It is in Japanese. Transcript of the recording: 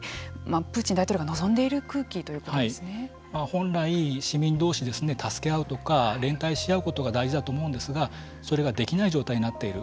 本来市民同士助け合うとか連帯し合うことが大事だと思うんですがそれができない状態になっている。